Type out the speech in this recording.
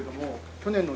去年の？